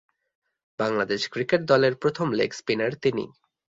Bangladesh cricket দলের প্রথম leg spinner তিনি।